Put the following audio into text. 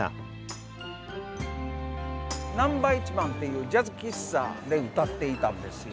一番っていうジャズ喫茶で歌っていたんですよ。